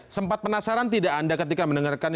oke baik sempat penasaran tidak anda ketika mendengarkan ini